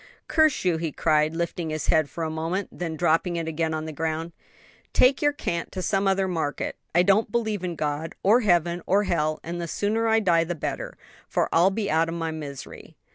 "Curse you!" he cried, lifting his head for a moment, then dropping it again on the ground; "take your cant to some other market, I don't believe in a God, or heaven or hell: and the sooner I die the better; for I'll be out of my misery."